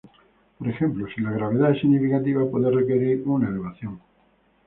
Por ejemplo, si la gravedad es significativa, puede requerir una elevación.